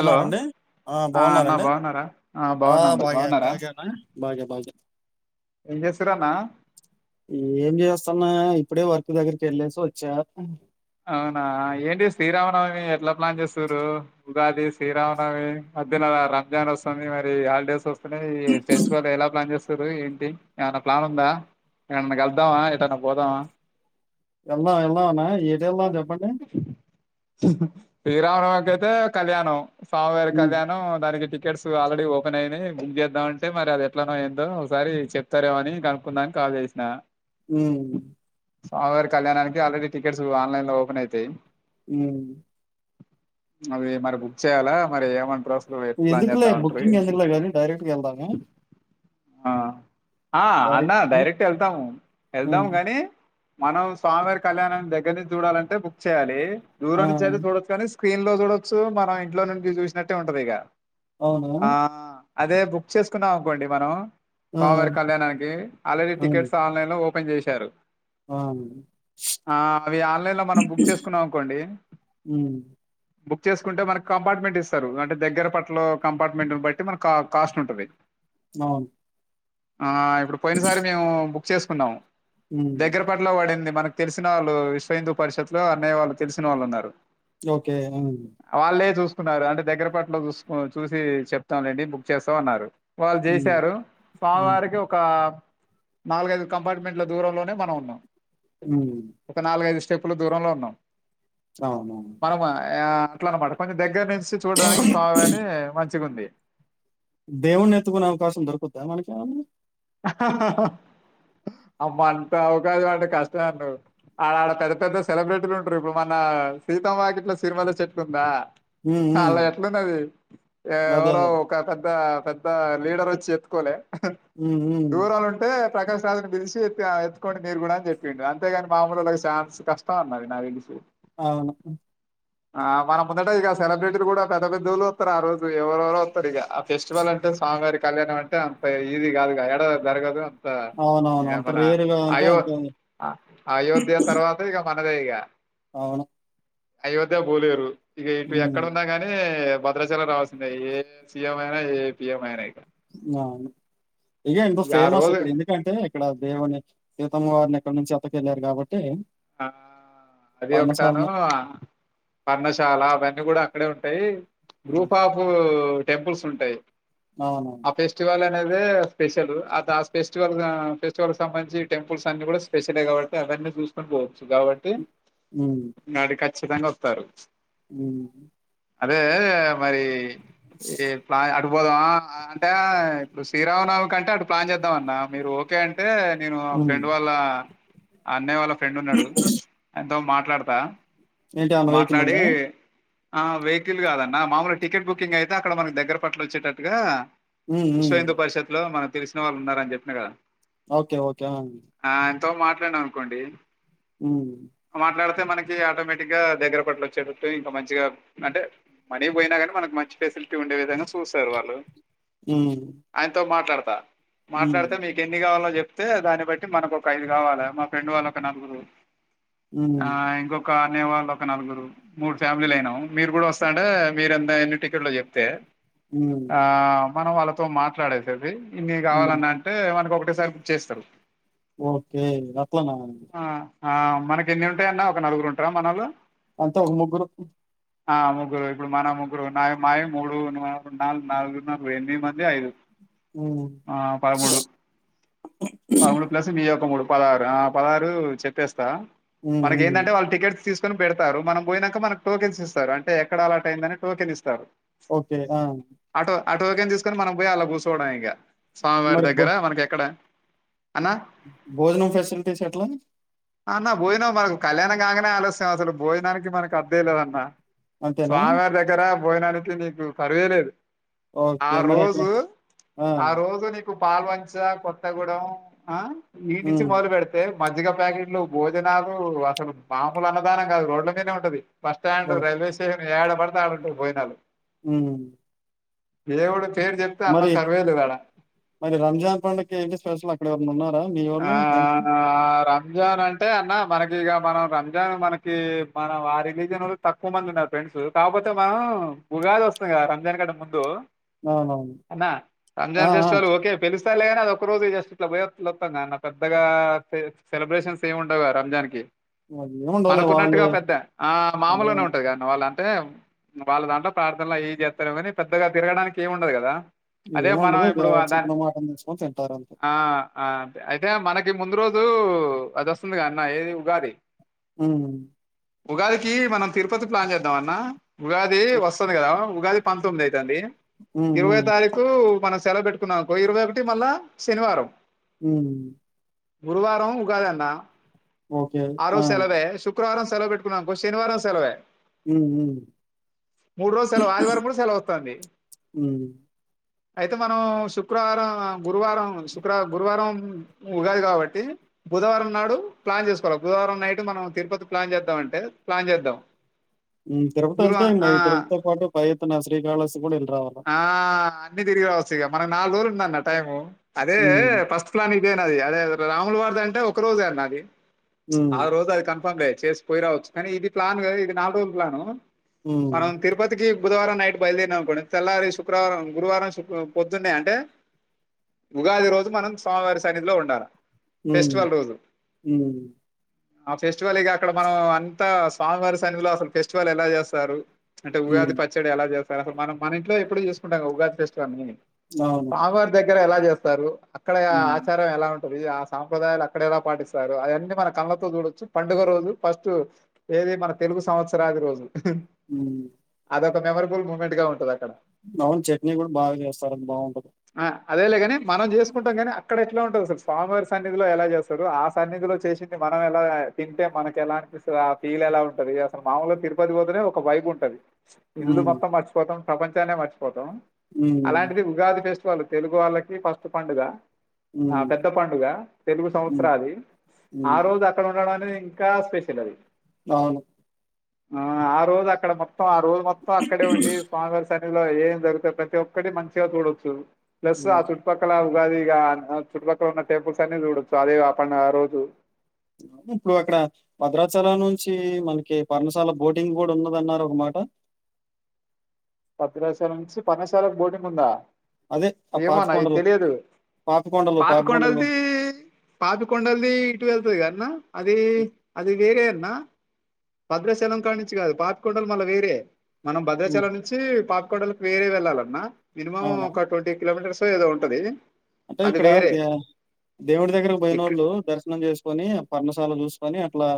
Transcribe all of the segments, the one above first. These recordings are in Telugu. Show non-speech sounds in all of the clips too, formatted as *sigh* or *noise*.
హలో ఆ అన్న బాగున్నారండి బాగున్నారా ఆ బాగున్నాను బాగే బాగున్నారా బాగేనా బాగే బాగే ఏం చేస్తుర్రు అన్న ఏం చేస్తున్నా ఇప్పుడే వర్క్ దగ్గరికి యెళ్ళేసి వచ్చా అవునా ఏంటి శ్రీరామనవమి ఎట్లా ప్లాన్ చేస్తుర్రు ఉగాది, శ్రీరామనమి మద్యలా రంజాన్ వస్తుంది. మరి హాలిడేస్ వస్ *unintelligible* ఫెస్టివల్ ఎలా ప్లాన్ చేస్ తురు ఏంటి ఏమన్నా ప్లాన్ ఉందా ఏవల్నైనా కళ్దామా ఏటన్నా పోదామా వెళ్దాం వెళ్దాం అన్న ఏ వెళ్దాం చెప్పండి శ్రీరామనవామికాయితే కళ్యాణం స్వామి వారి ఉమ్ కళ్యాణం దానికి టికెట్స్ ఆల్రెడీ ఓపెన్ అయినాయి బుక్ చేద్దామంటే మరి అది ఎట్లానో ఏందో ఒకసారి చెప్తారెమె అని కనుక్కుందామని కాల్ చేసిన ఉమ్ స్వామి వారి కళ్యాణానికి ఆల్రెడీ టికెట్స్ లైన్లా ఓపన్ అయితయి హ్మ్ అవి మరి బుక్ చేయ్యాలా మరి ఏమట్రో ఎందుకులే బకకింగ్ ఎందుకులే వలి డైరెక్ట్ వెలద ఆ ఆ అన్న డైరెక్ట్ వెళ్తాము వెళ్దాము ఉమ్ కాగాని మనం స్వామివారి కళ్యాణం దగ్గర నుంచి చూడాలంటే బుక్ చేయాలి దూర ఆ అనుచార డ కానీ స్క్రీన్ లో చూడొచ్చు మనం ఇంట్లో నుంచి చూసినట్టే ఉంటంది ఇక అవును ఆ అదే బుక్ చేసుకున్నాం అనుకోండి మనం ఆ స్మివారి కళ్యాణానికి ఆల్రెడీ ఉమ్ టికెట్స్ ఆన్లైన్ లో పని చేశారు ఆ ఆ అవి ఆన్లైన్ లో మనం బుక్ చేసుకున్నాం అనుకోండి ఉమ్ బుక్ చేసుకుంటే మనకి కంపార్ట్మెంట్ ఇస్తారు అంటే దగ్గర పట్ల కంపార్ట్మెంట్ని బట్టి మన కాస్ట్ ఉంటుంది అవును ఆ ఇప్పుడు పోయిన సారి మేము చేసుకున్నాము ఉమ్ దగ్గర పట్ల పడింది మనకు తెలిసిన వాళ్ళు వి హిూ పరిషత్తు లో అన్న్య వాళ్ళు తెలిసిన వాళ్ ఉన్నారు ఓకే చన్నారు అంటే దగ్గర పట్టులో చూసు చూసి చెప్తాంలేండి బుక్ చేస్తామ అన్నారు వాళ్ళు ఉమ్ చేసారు ఉమ్ స్వామివారికి ఒక నాలుగైదు కంపార్ట్మెంట్ల దూరంలోనే మనం ఉన్నాం హ్మ్మ్ స్టెప్లు దూరంలో ఉన్నాం అవునవును మనామా ఆ అట్లా అన్నమాట కొంచెం దగ్గర చూడడానికి స్వాభన్ని మంచిగా ఉంది దేవుణ్ని ఎత్తుకునే అవకాశం దొరుకుద్దా మనకు ఏమన్నా హహ అమ్మ అంత అవకాశం అంటే కష్టమే అన్నో ఆడ ఆడ పెద్ద పెద్ద సెలబ్రిటీలు ఉంటారు ఇప్పుడు మన సీతమ్మ వాకిట్లో సిరిమల్లె చెట్టు ఉందా ఉమ్ ఉమ్ అలా ఎట్లున్నది అదే అదే ఎవరో ఒక పెద్ద పెద్ద పెద్ద లీడర్ వచ్చి ఎత్కోలే ఉ దూరలు ఉంటే ప్రకాశ్ రాజని పిలిసి చెపిన ఎత్తుకోండి మీరు కూడా అని చెప్పిడి అంతేగాని మాముూలు ఒక ఛాన్స్ కష్టం అది నాకు తెలిసి, అవును ఆ మనము ముందటే ఇక సెలబ్రిటీలు కూడా పెద్ద పెద్దోళ్ళు వస్తారు, ఆ రోజు ఎవరెవరో వస్తారు ఇక ఆ ఫెస్టివల్ అంటే సాంగారిక కళ్యాణం అంటే అంత ఈజీ కాదు కదా ఎ జరగదు అవునవును. అంత మన రేర్‌గా అంటే అయో అంత అయోధ్య తర్వాత ఇక మన అదే ఇగ అవును అయోధ్యకు పోలేరు, ఇవిపి హ్మ్. ఎక్కడన్నా గాని, భద్రాచలం రావాల్సిందే ఏ సిఎం అయినా ఏ పిఎమ్ అయినా, ఇగా అవును, ఇదె ఎంత ఇక ఆ ఫేమస్ రోజు ఇక్కడ ఎందుకంటే, ఇక్కడ దేవుని సీతమ్మ వారిని ఎక్కడ నుంచి ఎత్తుకెళ్లారు కాబట్టి, ఆ అది ఒకటిను పర్ణశాలను పర్ణశాల అవన్నీ కూడా, ఇక్కడే ఉంటాయి. హ్మ్. గ్రూప్ ఆఫూ టెంపుల్స్ ఉంటాయి. అవునవును. ఆ ఫెస్టివల్ అ అదే స్పెషలు అటు ఫెస్టివల్ ఫెస్టివల్ సంబంధి టెంపుల్స్ అన్ని కూడా స్పెషలే కాబట్టి అవన్నీ చూ, సుకొని పోవచ్చు కాబట్టి, హు నాడి ఖచ్చితంగా వస్తారు. ఉహు అదే కదా మరి ఇది ప్లాన్ అ అటు పోదామా అంటే ఇప్పుడు శ్రీరామనవమికి అంటే అటు ప్లాన్ చేద్దాం అన్న మీరు ఓకే అం అంటే నేను హ్మ్. ఫ్రెండ్ వాళ్ళ, అన్నయ్య వాళ్ళ ఫ్రెండ్ ఉన్నాడు, కొంచం మా మాట్లాడతా, ఏంటి ఏమన్నా వెహికిల్ మాట్లాడి ఉందా, ఆ వెహికిల్ కాదన్న మామూలు టికెట్ బుకింగ్ అయితే అక్కడ మనకి దగ్గర పట్ల వచ్చేటట్టుగా, హ్మ్. హ్మ్. విశ్వ హిందూ పరిషత్ లో మన తెలిసిన వాళ్ళు ఉన్నారు, అని చెప్పిన కదా ఓకే ఓకే ఆన్ తో మాట్లాడినం అనుకోండి హ్మ్ తే మనకి ఆటోమేటిక్ టిక్ గా దగ్గర పట్లు వచ్చేటట్టు ఇంకా మంచిగా అంటే మనీ పోయినా గాని మనకు మంచి ఫేసిలిటీ ఉండే విధంగా చూసరు వాళ్ళు హ్మ్. ఆయనతో మాట్లాడ తా హ్మ్. మాట్లాడితే మీకు ఎన్ని కావాల్నో చెప్ ప్తే దాన్ని బట్టి మనకు ఒక ఐదు కావాల మా ఫ్రెండ్ వాళ్ళు ఒక నలుగురు హ్మ్. ఆ ఇంకొక అన్నయ్య వాళ్ళొక నలుగురు మూడు ఫ్యామిలీలు అయినాం మీరు కూడా వస్త స్తా మీరూ ఎన్ని టికెట్లు చెప్తే హ్మ్. ఆ మనం వాళ్ళతో మాట్లాడేసేది ఇన్ని హ్మ్. కావాలన్నా అంటే మనకొక ఒక్కసారి బుక్ చేస్తారు ఓకే గట్లన ఆ ఆ మనకి ఎన్ని ఉంటాయన్న ఒక నలుగురు టారా మనాల మొత్తం ఒక ముగ్గురు ఆ ముగ్గురు ఇప్పుడు మన ముగ్గురు నా మాయ మూడు నాలుగు నాలుగు నాలుగు ఎనిమిది మంది ఐదు హ్మ్. ఆ పదమూడు పదమూడు ప్లస్ మీయొక మూడు పదహారు ఆ పదహారు చెప్పేస్తా హ్మ్. మనకి హ్మ్. ఏంటంటే వాళ్ళ టికెట్స్ తీసుకొని పెడతారు మనం పోనాక మనకు టోకెన్ ఇస్తారు అంటే ఎక్కడ అలర్ట్ అయిందని టోకెన్ ఇస్తారు ఓకే ఆ అ టోకెన్ తీసుకొని మనం పోయి అలా కూర్చోవడం ఇగ స్వామివారి మరి బొ దగ్గర మనకి ఎక్కడ అన్నా భోజనం ఫెసిలిటీస్ ఎట్లా అన్న మనకు భోజనం కళ్యాణం గగానే అలాస్యం అసలు భోజనానికి మనకి అద్దే లేదన్నా అంతేనా? బాగా దగ్గర బోజనానికి నీకు కరువే లేదు ఆ ఓకే. మరి అక్కడ రోజు ఆ రోజుకు ఇప్పుడు పాల్వంచ కొత్తగూడం ఆ ఈ నించి హ్మ్. మొదలు బేడితే మజ్జగ ప్యాకెట్లు భోజనాలు అసలు మా ములు అన్నదనం కాదు రోడ్ల మీన్నే ఉంటది ఓ బస్టాండ్ రైల్వే స్టేషన్ ఏడ బడితే అడ బోజనాలు ఉమ్ దేవుడు పేరు చెప్తే అన్నం మరి కరువేలు కాడ మరి రంజాన్ పండుకి ఏంటి స్పెషల్ అక్కడ ఎవరన్న ఉన్నారా మీ వొళ్ళు ఫ్రెండ్స్ జాన్ అంటే అన్నా మనకి ఇగ మనం రం మనకి మనం ఆరిగిజన్లు తక్కువ మంది ఉన్నారు ఫ్రెండ్స్ కాకపోతే మనం ఉగాది వస్తుంది కదా రంజాన్ కంటే ముందు అవునవును. ఆ! రంజాన్ ఆ! ఫెస్టివల్ ఓకే పిలిస్ లేని అది ఒక రోజు జస్ట్ అట్ల బోయి ఇట్లాత్తంగా అన్న పెద్దగా సెలబ్రేషన్స్ ఏమి ఉండవుగా రంజాన్కి మరి ఏముండవులే వాళ్ళు మనకున్నట్టుగా పెద్ద ఆ మామూలుగనే వాళ్ళేమన్నా ఉంటది గ అన్న వాళ్ళన్ అంటే వాళ్ళ దాంట్లో ప్రార్థనలు అయి ఇయి చేస్తారు కనీ పెద్దగా తిరగడానికి ఏమి ఉండదు కదా అదే మనం ఏండదు ఇగ ఇప్పుడు దాని చిక్న మాటని తెంచుకొని తింటారు అంతే ఆ! ఆ! అయితే మనకి ముందు రోజు అది వస్తుంది కద అన్న ఏది ఉగాది ఉం ఉగాదికి మనం తిరుపతి ప్లాన్ చేద్దామ అన్న ఉగాది వస్తంది కదా ఉగాది పంతొమ్మిది అయితంది హ్మ్. ఇరవై హ్మ్. తారీకు మనస్ సెలవు పెట్టుకున్నవనుకో ఇరవై ఒకటి మళ్ళా శనివారం ఉమ్ గురువారం ఉగాదన్న ఓకే అ సెలవే శుక్ క్రారం సెలవు పెట్టున్నాంకో శనివారం సెలవే హ్మ్. హ్మ్. మూడు రోజు సెలవు ఆదివారం కూడ సెలవు వస్తంది హ్మ్. అయితే మనం శుక్రవారం గురువారం శుక్ర గురువారం ఉగాది కాబట్టి బుధవారం నాడు ప్లాన్ చేసుకోవాల బుధవారం నైట్ కి మనం తిరుపతి ప్లాన్ చేద్దాం అంటే ప్లాన్ చేద్దాం ఉమ్ తిరుపతి గురువ వెళ్తే ఇంగ ఆ తిరుపతితో పాటు పై తన శ్రీ కాలహాస్ ఆ అన్ని తిరిగి రావచ్చు ఇగ మనం నాలురోజులుందన్న టైము అదే హ్మ్. ఫస్ట్ ప్లాని పోయినాది ఇది అదే అదే రాముల వారిది అంటే ఒక్క రోజే అన్నా ఆది హ్మ్. ఆరోజు అది కన్ఫామ్ లే చేసి పోయి రావచ్చు కానీ ఇది ప్లాన్ కదా ఇది నాలుగు రోజుల ప్లాన్ ఉ హ్మ్. మనం తిరుపతికి బుధవారం నైట్ బయలుదేరినాం అనుకోండి తెల్లారి శుక్రవారం గురువారం శుక్ పొద్దున్నే అంటే ఉగాది రోజు మనం స్వామివారి సన్నిధిలో ఉండాల ఉ ఉ ఆ ఫెస్టివల్ ఇక అక్కడ మనం అంతా స్వామివారి సన్నిధి లో అసలు ఫెస్టివల్ ఎలా చేస్తారు అంటే హ్మ్. ఉగాది పచ్చడి ఎలా చేస్ తడకు మనం మన ఇంట్లో ఎప్పుడు చేసుకుంటాం గా ఉగాది ఫెస్టివల్ ని అవును. మాకు అంతే దగ్గర ఎలా చేస్తారు అక్కడ హ్మ్. ఆచారం ఎలా ఉన్ కోరిది ఆ సాంప్రదాయాలు అక్కడ ఎలా పాటిస్తారు అది అన్నీ మన కళ్లతో చూడొచ్చు పండుగ రోజు ఫస్ట్ ఏది మన తెలుగు సంవత్సరాది రోజు హు హ్మ్. అది ఒక్ మెమొరబుల్ మూమెంట్ గా ఉంటది ఆన్ అవును చట్నీ కూడా బాగా చేస్తారు బాగుంటది అదే లే గాని మనం చేసుకుంటాం కానీ అట్ అక్కడ ఎట్ల ఉంటది అసలు స్వామివారి సన్నిధిలో ఎలా చేస్తారు ఆ సన్నిధిలో చేసింది మనం ఎలా తింటే మనకి ఎలా అనిపిస్తుంది ఆ ఫీల్ ఎలా ఉంటది అసలు మామూలుగా తిరుపతి పోతేనే ఒక వైబ్ ఉంటది ఇల్లు హ్మ్. మొత్తం మర్చిపోతాం ప్రపంచానే మర్ హ్మ్. అలాంటిది ఉగాది ఫెస్ట్ వాళ్ళు తెలుగు వాళ్ళకి ఫస్ట్ పండుగ ఆ హ్మ్. పెద్ద పండుగ తెలుగు హ్మ్. సంవత్సరాది ఆ హ్మ్. రోజు అక్కడ ఉండడాన్ని ఇంకా స్పెషల్ అది అవును ఆ ఆ రోజు అక్కడ పమ్ త్తం ఆ రోజు మొత్తం అక్కడే ఉండి పర్ సండే లో ఏం జరుగుతే ప్రతి ఒక్కటి మంచిగా చూడొచ్చు ప్లస్ ఆ హ్మ్. చుట్టుపక్కల ఉగాది ఇక ఆ చుట్టుపక్కల ఉన్నా టెంపుల్స్ అన్నీ చూడొచ్చు అదే ఆ పండగ రోజు ఇప్పుడు అక్కడ భద్రాచలం నుంచి మనకి పర్ణశాల బోటింగ్ కూడా ఉన్నది అన్నారు ఒక మాట భద్రాచలం నుంచి పర్ణశాలకు బోటింగ్ ఉందా అదే ఆ ఏమో అన్న ఇ పాపికొండలు, తెలియదు పాపికొండలు, పాపి పాపికొండలు. కొండల్దీ, పాపికొండల్దీ ఇటు వెళ్తది గాన్న అదీ అది వేరే అన్. నా భద్రశలం కా నుంచి కాదు పాపికొండలు మళ్ళ వేరే మనం హ్మ్. భద్రాచలం నుంచి పా కొడలకు వేరే వెళ్ళాలన్నా మినిమమ్ అవునా? ఒక ట్వంటీ కిలోమీటర్స్ సో ఏదో ఉంటదీ అంటే ఇక్కడ దా దేవుడి దగ్గరకి ఇక్క బోయినోళ్ళు దర్శనం చేసుకొనీ, పర్ణశాల చూసుకుని. కొని అట్లా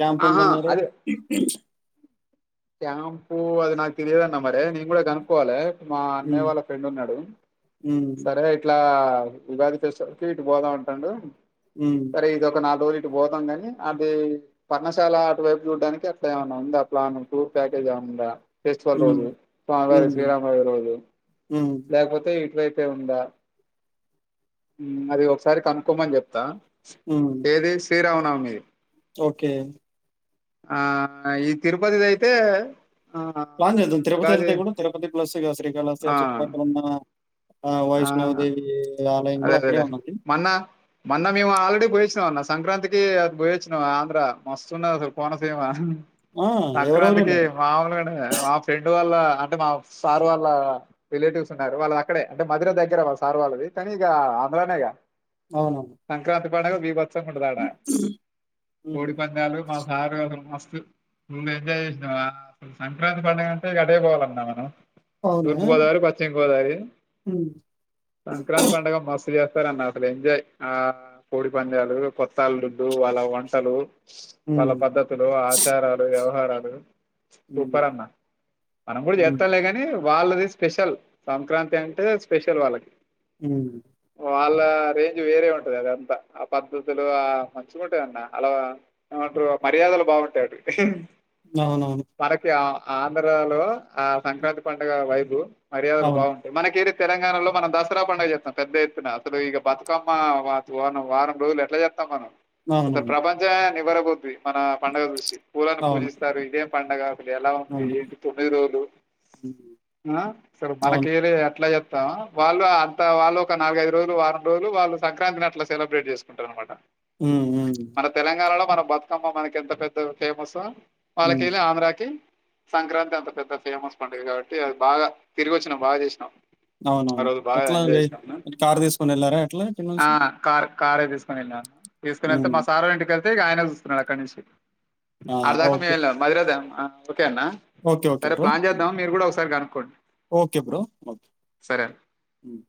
క్యాంప్ ఆహా ఉందన్నారు క్యాంపూ అది నాకు తెలియదన్న మరీ నేను కూడా కనుక్కోవాలి మా అన్నయ్య హ్మ్. వాళ్ళ ఫ్రెండ్ ఉన్నాడు హ్మ్. సరే ఇట్లా ఉగాది ఫెస్టివల్ కి ఇటు పోదాం అంటాండు హ్మ్. సరే ఇదొక నాల్ రోజుల్ ఇటు పోతాం కాని అదీ పర్ణశాల అటువైపు జూడ్డానికి అట్లా ఏమన్నా ఉందా ప్లాన్, టూర్ ప్యాకేజ్ ఏం ఉందా. ఫెస్టివల్ హ్మ్. రోజు, హ్మ్. స్వామివారి హ్మ్. శ్రీరామ *unintelligible* రోజు, హ్మ్. లేకపోతే ఇటువైప్. హూమ్ అది ఒకసారి కనుకోమని చెప్తా హ్మ్. ఏది శ్రీరామున్ నా మీది ఓకే ఆ ఈ తిరుపతిది అయితే ఆ ప్లాన్ జేద్దాం తిరుపతి ఉగాది ఎళ్తే గూడా తిరుపతి ప్లస్ ఇగా శ్రీకాళహస్తి ఆ చుట్టుపక్కలున్నా ఆ వైష్ణవ్ దేవీ ఆ మన్నా మొన్న మేము ఆల్రెడి పోయ్ చినవ అన్న సంక్రాంతికీ అట్ పోయోచ్చినవా ఆంధ్ర, మస్తు ఉన్నది అసలు కోనసీమ. ఆ! ఎవరెవరో సంక్రాంతికీ ఎళ్లారు. మామూలుగా ఉండదు గదా ఫ్రెండ్ వాళ్ళ అంటే మా సార్ వాళ్ళ రిలేటివ్స్ ఉన్నారు వాళ్ళది అక్కడే, అంటే మధుర దగ్గర వాళ్ సార్ వాళ్ళది. కని ఇగా ఆంధ్రనేగా అవునవును పండగ *unintelligible* చ్చండ ఆడా హ్మ్. కోడి పందాలు మా *unintelligible* మస్త్ ఎంజాయ్ చేసినవా సంక్రాంతి పండుగ అంటే ఇంగ అటే పోవాలన్నా మనం అవునా? తూర్పు గోదావరి పశ్చిమ గోదావరి హ్మ్. సం మస్తు చేస్తారన్న అసలు ఎంజాయ్ ఆ కోడి పందాలు కొత్త అల్లుళ్లు వాళ్ళ వంటలు వాళ్ళ హ్మ్. పద్ధతులు ఆచారాలు ఎవ్ హారాలు సూపర్ హ్మ్. అన్నా మనం కూడా హ్మ్. చేత్తంలే కాని వాళ్ళది స్పెషల్ సంక్రాంతి అంటే స్పెషల్ వాళ్ళకి హ్మ్. వాళ్ళ ఆ రేంజ్ వేరే ఉంటది అదంతా ఆ పద్ధతులు మంచిగా ఉంటాదన్న అలా ఏమంటారు మర్యాదలు బాగుంటాయి అటు అవునవును ఆంధ్రలో ఆ సంక్రాంతి పండుగ వైబ్ మర్యాదలు అవును. బాగుంటాయి మనకేడీ తెలంగాణలో మనం దసరా పడుగ చె పెద్ద ఎత్తున అసలు ఇగ బతుకమ్మ వారం రోజులు ఎట్లా చేత్తం మనం అవునవును. ప్రపంచమే బివరా బుద్వి మన పండుగ రుషి పూలను అవును. పూజిస్తారు ఇదేం పండగ అసలు ఎలా ఉంది అవును. ఏంటి తొమ్మిది రోజులు హ్మ్. ఆ అసలు అవును. మనకెలే అట్లా తా వాళ్ళు ఆ త వాళ్ళు ఒక నాలుగైదు రోజలు వారం రోజులు వాళ్ళు సంక్రాంతినట్ల సెలబ్రేట్ చేసుకుంటారనమాట హ్మ్. హ్మ్. మన తెలంగాణలో మనం బతుకమ్మ మనకి ఎంత పెద్ద ఫేమస్సో హ్మ్. పాలకెలి ఆంధ్రకీ సంక్రాంతి అంత పెద్ద ఫేమస్ పండగ కాబట్టి అది బాగా తిరిగి వచ్చినాం బాగా చేసినాం ఆ అవునవును రోజు బాగా ఎట్లా ఎంజాయ్ చేసినాము కారు తీసుకోని వెళ్లారా ఎట్లా ఆ ఇన్నుంచి కార్ కారే తీసుకోని ఎల్లాం తీసుకునెల్తే మా సారోళ్ళ ఇంటిక ఉంటే ఇగ అయినే చూసుకున్నాడు అక్కనుంచి ఆ! ఆడిదాకా మేం ఓకే. ఏల్లాం మదిరధమ్ ఆన్ ప్ ఓకే అన్న ఓకే. ఓకే సరే బ్రో. ప్లాన్ చేద్దాం మీరు కూడా ఒకసారి కాను కోట్ ఓకే బ్రోఓకే